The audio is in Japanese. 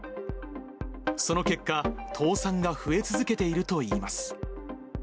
その結果、倒産が増え続けているといいます。